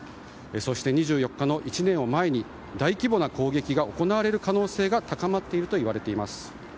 そして、２４日の１年を前に大規模な攻撃が行われる可能性が高まっているといいます。